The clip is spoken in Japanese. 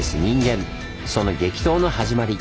その激闘の始まり。